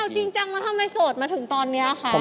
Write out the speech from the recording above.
จริงจังแล้วทำไมโสดมาถึงตอนนี้คะ